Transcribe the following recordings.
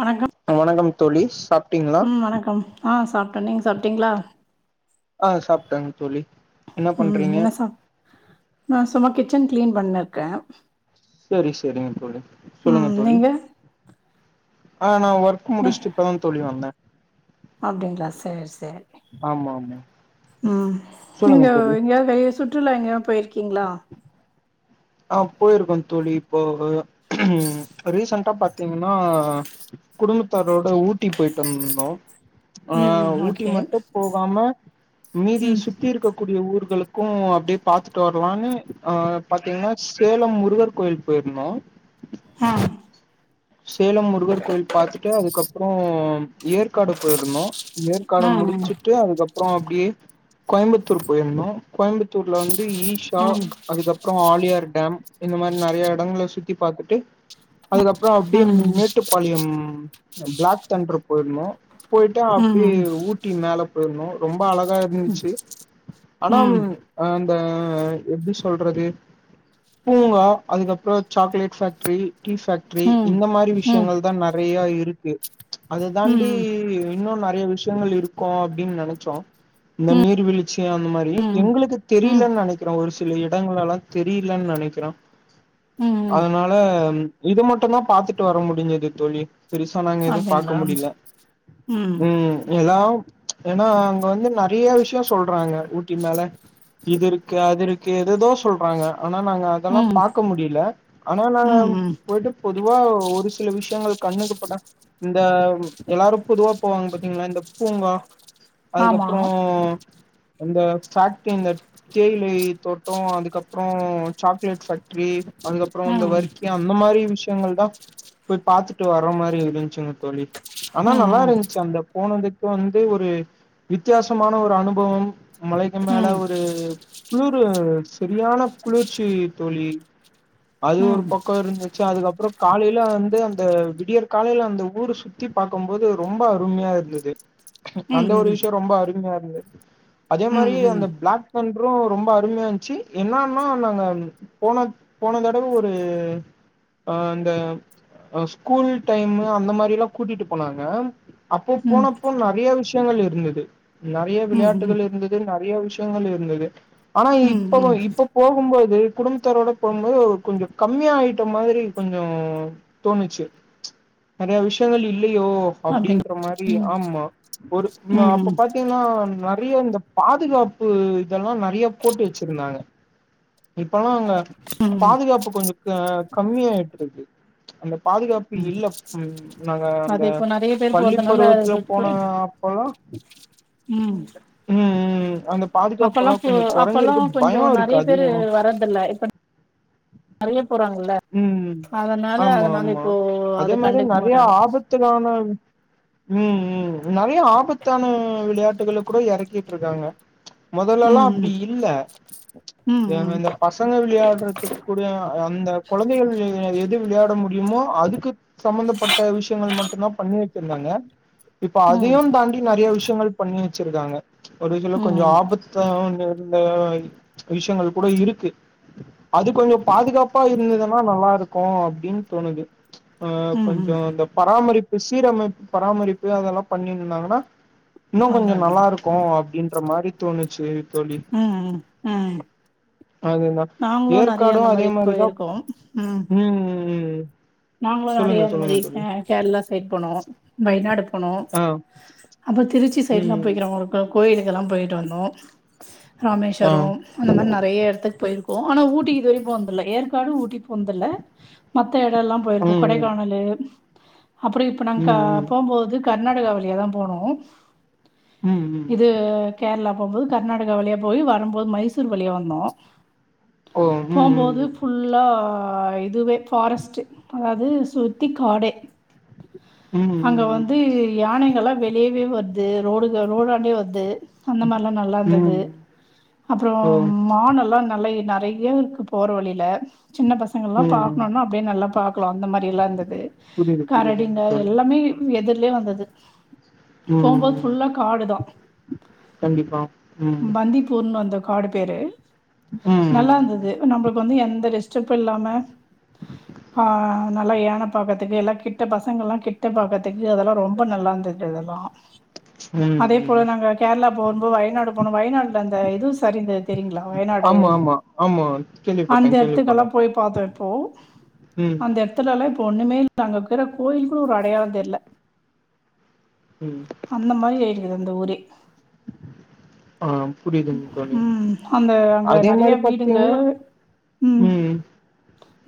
வணக்கம் அ வணக்கம் தோழி சாப்டிங்களா ட நீங்க சாப்டீங்ளா ஆஹ் சாப்ட்டேங் தோழி என்ன உம் பண்றீங்க என்ன சா நா சும்மா கிட் கிச்சன் க்ளீன் பண்ணுருக்கே செரி செரிங்க தோழி சொல்லுங்க தோழி நீங்க ஆஹ் நா ஒர்க் முடிச்ட்டு இப்பதா தோழி வந்தே அப்டிங்ளா சேர் சேர் ஆமா ஆமா உம் நீங்க சொல்லுங்க தோழி எங்கயாது வெளிய சுத் சுற்றுலா எங்கயு பொயிர்க்கிங்ளா ஆஹ் போயிருக்கோ தோழி இப்போ ரீசன்டா பாத்திங்கன்னா குடும்பத்தாரோட ஊட்டி பொயிட்டு வந்தோ ம் ஆஹ் ம் ஊட்டி ஓகே மட்டும் போகாம மீதி ம் சுத்தி இருக்க கூடிய ஊர்களுக் கூ அப்டியெ பாத்துட்டு வரலான்னு ஆஹ் பாத்திங்னா சேலம் முருகர் கோயில்க் பொயிர்ந்தோ ஹா சேலம் முருகர் கோயில் பாத்துட்டு அதுக்கப்றோ ஏற்காடு போயிருந்தோ ஏற்காடு ஆ முடிச்சுட்டு அதுக்கப்புறோ அப்டியே கோயம்புத்தூர் போயிருந்தோ கோயம்புத்தூர்ல வந் து ஈஷா ஆ அதுக்கப்புறோ ஆலியார் டேம் இந்த மாரி நெறைய இடங்கள சுத்தி பாத்துட்டு அதுக்கப் அப்டியே ஆ மேட்டுப்பாளையம் பிளாக் தண்டர் போயிருந்தோ போய்ட்டு அப்டி ம் ஊட்டி மேல போயிருந்தோ ரொம் ப அழகா ம் இருந்துச்சு ஆனா ம் ம் அஹ் அஹ் எப்டி சொல்றது பூங்கா அதுக்கப்புறோ chocolate factory tea factory ம் இந்த மாரி ம் விஷயங்கள் தான் ந ரையா இருக்கு அத தாண்டி ம் இன்னும் நெறய விஷ் விஷயங்கள் இருக்கோ அப்டின்னு நெனச்சோம் இந்த நீர்வீழ்ச்சி அந்த மாரி ம் எங்களுக்கு ம் தெரியலன் நெனக்கிறேன் ஒரு சில இடங்களலா தெரிலன்னு நெனக்கிறேன் ம் அதனால இது மட்டுந்தான் பாத்துட்டு வர முடிஞ்சது தோழி பெருசா நாங்க எதும் பாக்க அப்டிங்களா முடில ம் உம் எலா ஏன்னா அங்க வந்து நறயா விஷயம் சொல்றாங்க ஊட்டி மேல இதுருக்கு அதுருக்கு எதேதோ சொல்றாங்க ஆனா நாங்க அதெல்லாம் ம் பாக்க முடில ஆனா நாங்க ம் ம் பொதுவா ஒரு சில விஷியங்கள் கண்ணுக்கு பட இந்த யெல்லாரும் பொதுவா போவாங்க பாத்தீங்ளா இந்த பூங்கா ஆமா அதுக்கப்றம் அந்த பேக்ட்ரி இந்த தேயிலை தோட்டம் அதுக்கப்றம் சாக்லேட் பேக்ட்ரி அதுக்கப்றோ இந்த ம் வர்கியா இந் மாரி விஷயங்கள் தா போய் பாத்துட்டு வர்ற மாரி யிருந்துச்சுங்க தோழி ஆனா ம் நல்லா இருந்ச்சு அந்த போனதுக் வந்து ஒரு வித்யாசமான ஒரு அனுபவம் மலைக்கு மேல ம் ஒரு குளுரு செரியான குளிர்ச்சி தோழி அது ம் ஒரு ம் பக் [unintelligible] அதுக்கப்றோ காலேயில வந்து அந்த விடியர் காலேயில அந்த ஊரு சுத்தி பாக்கும்போது ரொம்ப அருமையா இருந்துது ம் அந்த ஒரு விஷ்யோ ரொம்ப அரும்யா இருந் அதே ம் மாரி ம் அந்த பிளாக்தண் [unintelligible] அப்றோ ரொம்போ அரும்யா இன்ச்சு இன்னான்னா நாங்க போன போன தடவ ஒரு அ அந்த அ ஸ்கூல் டைமு அந்த மாரில்லா கூட்டிட்டு போனாங்க அப்போ ம் போனப்போ நறிய விஷ ங்கள் இருந்துது நெறய ம் ம் விளையாட்டுகள் இருந்துது நெறைய விஷ் ங்கள் யிருந்துது ஆனா ம் இப்பவு ம் இப்ப போகும்போது குடும்த்தாரோட போம்போது கொஞ்சோ கம்மியா ஆயிட் மாதரி கொஞ்சோ தோணுச்சு ச்ச் நெறய விஷயங்கள் இ ல்லியோ அப்டி அப்டின்ற மாரி ம் ஆமா ஒரு ம் அப்ப ம் பாத்தீங்ன்னா நெறியோ இந்த பாதுகாப்பு இதெல்லா நெறிய போட்டு வச்சிருந்தாங்க இப்பல்லா அங்க ம் பாதுகாப்பு கொஞ்சோ அ கம்மியாயிட்டுருக்கு ச்ச் அந்த பாதுகாப்பு ம் இல்ல ம் நாங்க அந்த அது இப்போ நெறைய பேர் பள்ளி போறதுனால பருவத்துல அதுக்கு போன அப்பல்லா ம் உம் உம் அ [unintelligible] அப்பல்லா போ அப்பல்லா கொஞ்சோ இருக்கு நெறைய பேரு அதிகமா வர்றற்தில்ல இப்ப [unintelligible] போறாங்கல்ல உம் அதனால ஆமா அதனால ஆமா இப்போ அதே அத மாரி கண்டுக்க நெறைய மாட்டாங்க ஆபத்துக்கான உம் உம் நெறைய ஆபத்தான விளையாட்டுகளை கூட எறக்கிட் ருக்காங்க ச்ச் மொதல்லெல்லா ம் அப்டி இல்ல ச்ச் ம் அ இந்த பசங்க விளையாட்றதுக்கூட அந்த கொழந்தைகள் எ எது விளையாட முடியுமோ அதுக்கு சம்பந்தப்பட்ட விஷயங்கள் மட்டுதா பண்ணி வச்சிருந்தாங்க இப்ப ம் ம் அதையு தாண்டி நெறைய விஷ யங்கள் பண்ணி வச்சிருக்காங்க ஒரு சில கொஞ்சம் ம் ஆபத்தா வந்து இந்த விஷயங்கள் கூட இருக்கு அது கொஞ்சம் பாதுகாப்பா இருந்தது நல்லா இருக்கும் அப்டின்னு தோணுது ஆஹ் ம் ம் கொஞ்சம் அந்த பராமரிப்பு சீரமைப்பு பராமரிப்பு அதெல்லாம் பண்ணிரு இருந்தாங்கன்னா இன்னும் அதா கொஞ்சம் அதா நல்லா இருக்கும் அப் ன்ற மாறி தோணுது செரி தோழி ம் ம் ம் அதுதான் நாங்களு நெறைய அந்த ஏற்காடும் அதே மாரி மாரிதான் போயிருக்கோ உம் ம் ம் நாங்களும் சொல்லுங்க நறையா இந்த சொல்லுங்க மாரி தோழி கேரளா சைட் போனோம் வயநாடு போனோம் ஆ அப்ப தி திருச்சி சைடுலாம் ம் போயக்கிறவங்களுக்கு கோயிலுக்கெல்லாம் போயிட்டு வந்தோம் ஆ ராமேஸ்வரம் அந்த மாதிரி நிறைய இடத்துக்கு போயிருக்கும் ஆனா ஊட்டிக்கு இதுவரைக்கும் போனது தில்ல ஏற்காடு ஊட்டி போனதில்ல மத்த இடம்லாம் போயிருக்கும் ம் கொடைகானலு அப்புறம் இப்ப ம் நாங்க ம் ம் போம்போது கர்நாடகா வழியாதான் போனோம் ம் ம் இது கேரளா போம்போது கர்நாடகா வழியா போய் வரும்போது மைசூர் வழியா வந்தோம் ஓ ம் ம் போம்போது ம் ஃபுல்லா ஹா இதுவே பாரஸ்ட்டே ஹ அது சுத்தி காடே ம் அங்க ம் வந்து யானைகல்லாம் வெளியவே வர்து ரோடுக ரோடான்டியே வர்து அந்த மாரில்லாம் நல்லா இருந்தது ம் அப்புறம் ஓ மான் எல்லா நல்லா [unintelligible] நிறைய இருக்கு போற வழில சின்ன பசங்கள்லாம் ம் ம் பாக்கனும்னா அப்படியே நல்லா க்லா அந்த மாரிலாம் இருந்தது புரியுது கரடிங்க புரியுதுங்க தோழி எல்லாமே எதிர் [unintelligible] வந்தது ம் போகும்போது ம் ஃபுல்லா காடுதான் கண்டிப்பா ம் பந்திப்பூர்ன்னு அந்த காடு பேரு நல்லா ம் இருந்தது நம்மளுக்கு வந்து எந்த டிஸ் [unintelligible] இல்லாம ஆஹ் நல்லா ஏன பாக்கதுக்கு எல்லாம் கிட்ட பசங்கள் எல்லாம் கிட்ட பாக்கதுக்கு அதெல்லா ரொம்ப நல்லா இருந்தது அதெல்லா ம் அதே ம் போல நாங்க கேரளா போகும்போ வயநாடு போன வயநாட் அந்த இது சரிந்தது தெரியங்களா வயநாடு ஆமா ஆமா ஆமா அந்த கேள்விப்பட்டே கேள்விப்பட்டே இடத்துக்கெல்லாம போய் பார்த்தோ இப்போ ம் அந்த இடத்துலா இப்ப ஒண்ணுமே இல்ல அங்க இருக்கிற கோயில கூட ஒரு அடையாளம் தெர்ல ம் அந்த மாரி இது இந்த ஊரி ஆ புரியுதுங்க தோழி உம் அந்த அங்க அதே நெறைய மாரி வீடுங்க பாத்தீங்கன்னா உம்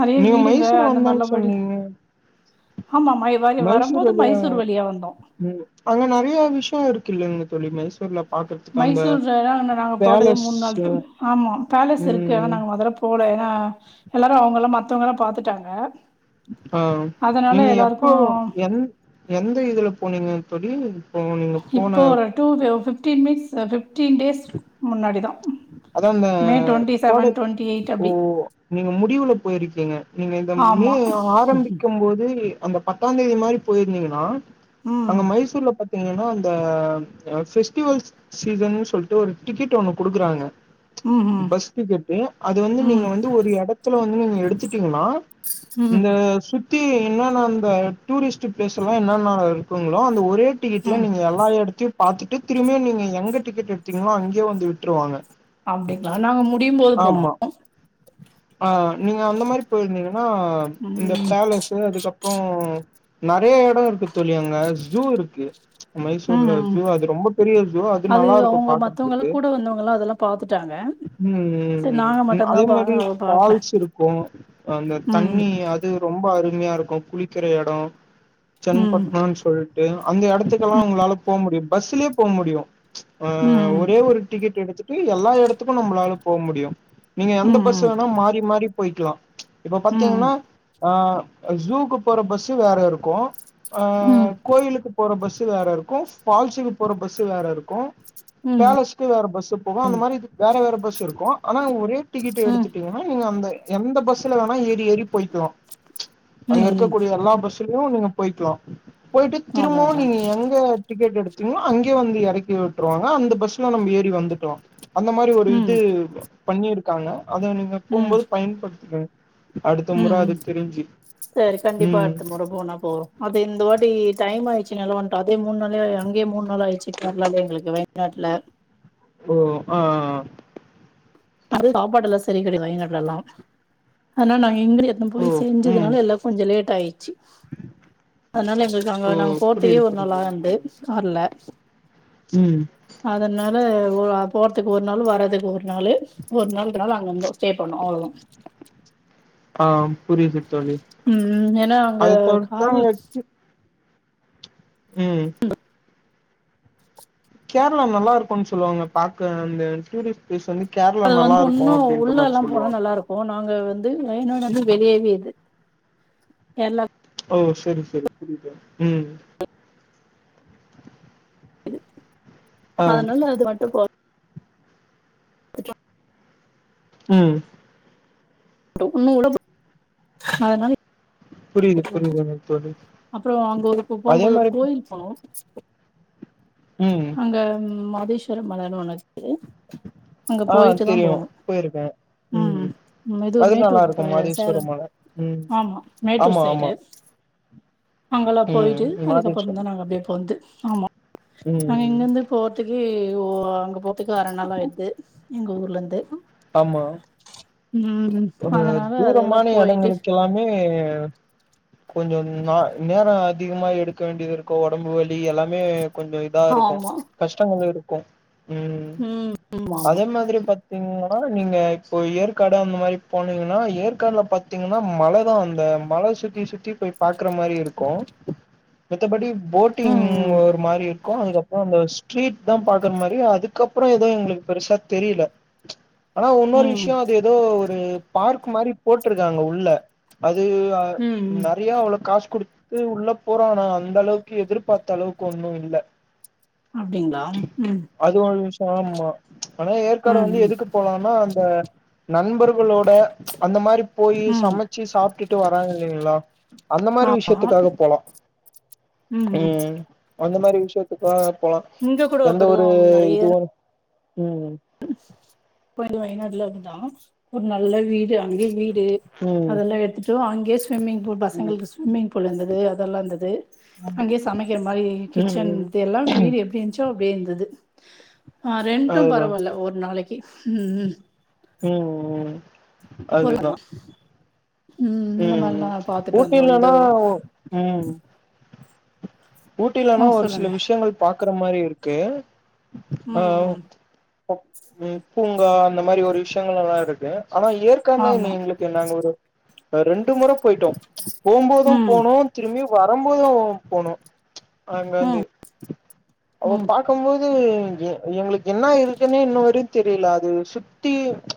நெறைய வீடுங்க அந்த வந்தன்னு மாரிலா போயிடு சொன்னீங்க ஆமா மை வர வரும்போது மைசூர்ல்லையா மைசூர் வழியா வந்தோ அங்க நெறைய விஷயோ இருக்கூ [unintelligible] தோழி மைசூர்ல பாக்குறதுக்கு அந்த மைசூர்லல்லா நாங்க போட்டதே பேலஸ் மூணு நாள் ட்ரிப் ஆமா பேலஸ் இருக்கு ம் ஆனா நாங்க முதல்ல போல ஏன்னா எல்லாரு அவங்க எல்லா மத்தவங்கல்லா பாத்துட்டாங்க ஆஹ் அதனால நீங்க எப்ப எல்லாருக்கு எ எந்த இதுல போனீங்கன்னு தோழி நீங்க போன இப்போ ஒரு two fifteen weeks சதுப் [unintelligible] fifteen days முன்னாடி தான் அதான் இந்த மே டுவெண்ட்டி கோடை செவன் டுவெண்ட்டி எயிட் ஓ அப்படி நீங்க முடிவுல போயிருக்கீங்க நீங்க இந்த மே ஆமா ம் ஆரம்பிக்கும் போது அந்த பத்தா தேதி மாரி போயிருந்தீங்கன்னா ம் அங்க மைசூர்ல பத் ங்கன்னா அந்த ஃபெஸ்டிவல்ஸ் சீசன்னு சொல்ட்டு ஒரு டிக்கெட் ஒன்னு கொடுக்குறாங்க ம் ம் பஸ் டிக்கெட்டு அது வந்து நீங்க வந்து ஒரு எடத்துல வந் நீங்க எடுத்துட்டீங்ன்னா ம் இந்த சுத் பத்தி என்னென்னா அந்த டூரிஸ்ட் பிளேஸ் எல்லாம் என்னன்னா இருக்குங்களோ அந்த ஒரே [unintelligible] ம் நீங்க எல்லா எடுத்தையு பார்த்துட்டு திரும்மயு நீங்க எங்க டிக்கெட் எடுத்தீங்களோ அங்கே வந்து வி விட்ருவாங்க அப்டிங்களா நாங்க முடியும்போது போனோ ஆஹ் நீங்க அந்த மாரி போயிருந்தீங்கன்னா இந்த ம் பேலஸு அதுக்கப்புறோ நறைய எடொ இருக்கு தோழி அங்க ஜூ இருக்கு ம் மைசூர்ல ம். ஜூ அது ரொம்ப பெரிய ஜூ அது நல்லாருக்கு அவங்க மத்தவங்க பாக்கறதுக்கு கூட வந்தவங்கலாம் அதெல்லாம் பார்த்துட்டாங்க ம் ம் சரி ம் நாங்க ம் அதே மட்டும்தான் பா மாரி பார்க்கல ஃபால்ஸ் இருக்கூ அந்த ம் தண்ணி அது ரொம்ப அருமையாருக்கு குளிக்கிற எடோ ம் சென்பட்னான் சொல்ட்டு அந்த எடத்துக்கெல்லா உங்ளால போ முடியு பஸ்சுலியே போ முடியு ஆஹ் ம் ஒரே ஒரு க்கெட் எடுத்துட்டு எல்லா எடத்துக்கு நம்ளால போ முடியு நீங்க ம் எந்த பஸ் ம் வேணா மாறி மாறி பொய்க்லா இப்ப ம் பாத்தீங்கன்னா ஆஹ் ஜூக்கு போற பஸ்சு வேற இருக்கூ அ ம் கோயிலுக்கு போற பஸ் வேற இருக்கூ ஃபால்ஸுக்கு போற பஸ்சு வேற இருக்கு உம் த்து வேற பஸ்சு போகு அந்த மாரி இது வேற வேற பஸ் இருக்கு ஆனா ஒரே டிக்கெட் ம் எடுத்துட்டீங்கன்னா நீங்க அந்த எந்த பஸ்ல வேணா ஏறி ஏறி போய்க்கலா அங்க ம் இருக்கக்கூடிய எல்லா பஸ் திலியு நீங்க போய்க்லா போயிட்டு அதான் திரும்பவு அதான் நீங்க எங்க டிக்கெட் எடு திங்ளோ அங்கியே வந்து எறக்கி விட்டுருவாங்க அந்த பஸ் க்லா நம்ப ஏறி வந்துக்லா அந்த மாரி ஒரு ம் இது பண்ணிரு காங்க அதுவு நீங்க ம் போம்போது பயன்படுத்திகங்க ம் ம் செரி கண்டிப்பா ம் அடுத்த முற போனா போறோ அது இந்த வாட்டி டைம் ஆயிச்சுன் எல்லா வந்ட்டோ அதே மூணு நாள்யே அங்கியே மூணு நாள் ஆயிச்சு கேர்ளாலே எங்ளுக்கு வயநாட்ல ஓ ஆ ஆ ஆ அது சாப்பாடு எல்லா செரி கெடைய வாயநாட்ல எல்லா அதனா ந [unintelligible] எத போய் ஓ ம் செஞ்சதுனால எல்லா கொஞ்ச லேட் ட்டாய்ச்சி அத்னால எங்களுக்கு ஓ அங்க நாங்க போற்துக்கே புரியுது ஒரு நாள் புரியுது ஆயந்து தோழி கார்ல ம் வே வோ அ போற்துக்கு ஒரு நாளு வறதுக்கு ஒரு நாளு ஒர் நாள் ட்ராவு அங் வந்தோ ஸ்டே பண்ணோ அவுளோதா ஆ புரிய்து ம் ம் எனா அங்க கார்ல் அங்க கே- ம் கேர்ளா நல்லா இருக்குன் சொல்வாங்க பாக்க அந்த டூரிஸ்ட் ப்ளேஸ் வந்தி அது வந்து ஒன்னு உள்ளல்லா போனா நல்லாருக்கு நாங்க வந்து வயநாட து வெளியவே இது கேர்ளா ஓ செரி செரி புரிய்துகா ம் ஆ அதுனால அது மட்டு கொல் துமா ம் டொப்புன்னு கூட ப அதனாலே புரியுது எப் மன்னோஜ் புரியுதுங்க தோழி அப்புறோ அங்கோ இப்ப அதே போம்போது ஒரு மாரி கோயில் போனோ ம் அங்க ம் மாட் தீஸ்வர மலனு ஒன்னு இருக் அங்க ஆ போயிட்டுதா தெரியு போனு போயிருக்கே ம் மெது அது நல்லா மேட்டூர் ப இருக்கு சேலம் மாதேஸ்வரம் மல ம் ஆமா மேட்டூர் ஆமா சைடு ஆமா அங்கல்லா ம் போயிட்டு அதுக்கப்புறந்தா மாதேஸ்வரம் நாங்கபே பொந்து ஆமா ம் நாங்க ம் இங்கர்ந்து போற்திக் இ ஓ அங்க போத்துக்கு அர நாள் ஆயிற்து எங்க ஊர்லந்து ஆமா ஒரு அதனால அதெல்லா தூரமான போயிட்டு எடங்களுக் எல்லாமே கொஞ்சொ நா நேரொ அதிக்மா எடுக்க வேண்டியது இருக்கு ஒடம்பு வலி எல்லாமே கொஞ்சொ இதா இருக்கு ஆமா கஷ்டங்கள் இருக் ம் ஆமா ஆமா அதே மாதுரி பத்திங்ளா ஆ நீங்க இப்போ ஏற்காடு அந்த மாரி போனீங்னா ஏற்காட்ல பாத்தீங்னா மல தா அந்த மல சுத்தி சுத்தி போய் பாக் க்ற மாரி இருக்கு மித்த படி போட்டிங் ம் ம் ஒரு மாரி இர் கோ அங்க போங்க ஸ்ட்ரீட் தா பாக்குற மாரி அதுக்கப்ற ஏதோ எங்ளுக் பெருசா தெரிய்ல ஆனா உன்னொரு ம் விஷயம் அது ஏதோ [unintelligible] பார்க் மாரி போட்ருக்காங்க உள்ள அத ம் ம் [unintelligible] நிறைய அவ்ளவு காஸ் குடுத்து உள்ள போறனா அந்த அளவுக்கு எதிர்பார்த்த அளவுக்கு ஒன்னும் இல்ல அப்டிங்களா ம் அது ஒரு விஷயம் ஆமா ஆனா ம் ஏற்காடு வந்து ம் எதுக்கு போலாம்னா அந்த நண்பர்கள் அந்த மாதிரி போய் ம் சமைச்சு சாப்பி ட்டு வராங்க இல்லைங்களா அந்த மாரி ஆமா விஷயத்துக்காக போலாம் ம் அந்த மாரி விஷயத்துக்காக போலாம் இங்க கூட எந்த ஒரு அப்படிதான் நெறைய இதுவும் ம் [unintelligible] வயநாடுல இருந்தோம் ஒரு நல்ல வீடு அங்கே வீடு ம் அதெல்லாம் எடுத்து ஆங்கேஸ் ஸ்விமிங் பூல் ம் பசங்களுக்கு ஸ்விம்மிங் பூல் இருந்தது அதெல்லாம் இருந்தது அங்கயே சமைக்கிற மாரி ம் கிச்சன் ம் இ எல்லாம் வீடு எப்படி இருந்துச்சோ இருந்தது ஆ ரெண்டும் அதுதா பரவாயில்ல ஒரு நாளைக்கு ம்ம் ம் ம் போலாமா அதுதான் இந்த ம் ம் மாரிலா பாத்துட்டு வந்தோ இந்த ஊட்டில்லன்னா ம் ஆ ஊட்டியிலன்னா ஒரு சில சொல்லுங்க விஷயங்கள் பாக்க ற மாதிரி இருக்கு ஆ ம் ம் பூங்கா அந்த மாரி ஒரு விஷயங்கள் எல்லாம் இருக்கு ஆனா ஏற்கால என்ன ஆமா எங்களுக்கு என்னங்க ஒரு ரெண்டு முறை போயிட்டோம் போம்போதும் ம் போனும் திரும்பியு வரும்போதும் போனும் அங்காந்து ம் அப்ப ம் பார்க்கும்போது [unintelligible] எங்களுக்கு என்ன இருக்குன்னு இன்னுவர தெரியல அது சுத்தி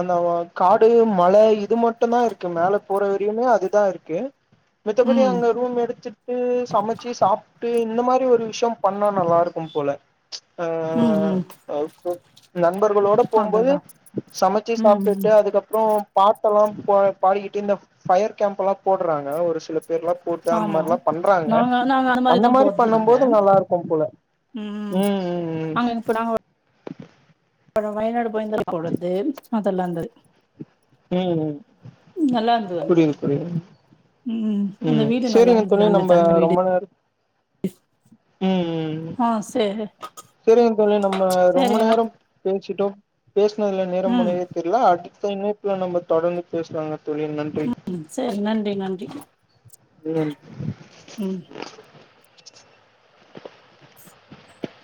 அந்த காடு மழை இது மட்டும் தான் இருக்கு மேல போற வரையுமே அதுதான் இருக்கு மத்தபடி ம் அங்க ரூம் எடுத்துட்டு சமைச்சி சாப் ட்டு இந்த மாரி ஒரு விஷயோ பண்ண நல்லா இருக்கும் போல ம் ஆஹ் ம் அ நம் நண்பர்களோட அதா போம்போது அதா சமைச்சு ம் ம் சாப்பிட்டுட்டு அதுக்கப்புறோ பாட்ட எல்லாம் பாடிக்கிட்டு இந்த ஃப்யர் கேப் எல்லா போட்றாங்க ஒரு சில பேர்லா போட்டு அந்த ஆமா மாரி எல்லா பண்றாங்க நாங்க நாங்க அந்த மாரிதா மாரி போறது பண்ணும் நாங்க போது நல்லா இருக்கும் போல ம் அப்புறம் வயநாடு போய்யிந்த பொழுது அதெல்லா இருந்தது உம் நல்லா இருந்தது அங்க புரியுது புரியுது ம் அந்த உம் வீடு நல்லா சேரிங்க இருந்தது தோழி அங்க நம்ம தங்குன வீடு ரொம்ப நேரோ உம் உம் ஆ சேரி சேரிங்க தோழி நம்ம ரொம்ப சேரிங்கண்ணா நேரம் பேச் கிட்டோ பேசுனதுல நேரம் ம் போனதே தெரியலா அட் த இணைப்புல நம்ம தொடர்ந்து பேசுலாங்க உம் சேரி நன்றி நன்றி ம் உம்